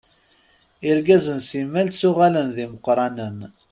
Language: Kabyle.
Irgazen simmal ttuɣalen d imeqqṛanen.